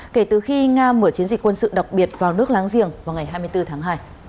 kể từ khi nga mở chiến dịch quân sự đặc biệt vào nước láng giềng vào ngày hai mươi bốn tháng hai